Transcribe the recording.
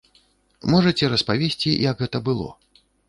Можаце распавесці, як гэта было?